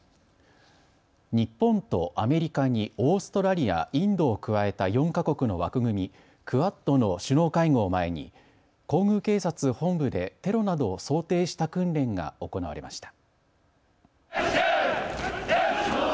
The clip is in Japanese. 日本とアメリカにオーストラリア、インドを加えた４か国の枠組み、クアッドの首脳会合を前に皇宮警察本部でテロなどを想定した訓練が行われました。